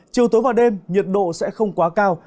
chiều tối và đêm nhiệt độ sẽ không quá cao